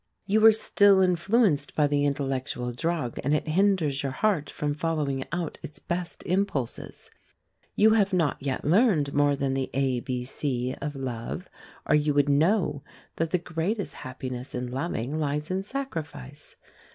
You are still influenced by the intellectual drug, and it hinders your heart from following out its best impulses. You have not yet learned more than the A B C of love, or you would know that the greatest happiness in loving lies in sacrifice.